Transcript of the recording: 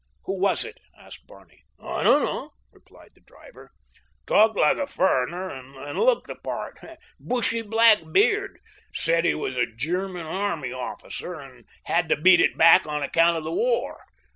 "Who was it?" asked Barney. "I dunno," replied the driver. "Talked like a furriner, and looked the part. Bushy black beard. Said he was a German army officer, an' had to beat it back on account of the war.